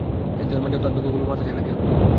কিন্তু এর মাঝেও, তার দুঃখগুলো মাথাচাড়া দিয়ে উঠতো।